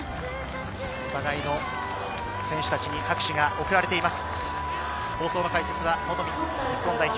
選手たちに拍手が送られています。